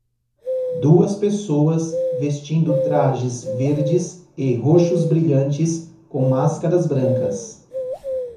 Duas pessoas vestindo trajes verdes e roxos brilhantes com máscaras brancas.